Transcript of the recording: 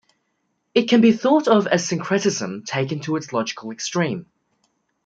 It can be thought of as syncretism taken to its logical extreme.